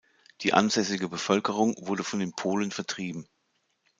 Die ansässige Bevölkerung wurde von den Polen vertrieben.